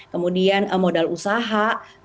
kemudian modal usaha